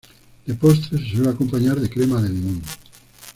De postre se suele acompañar de crema de limón.